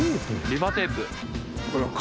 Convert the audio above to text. リバテープ？